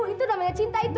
itu namanya cinta itu